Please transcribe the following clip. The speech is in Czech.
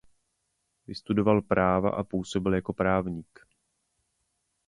Vystudoval práva a působil jako právník.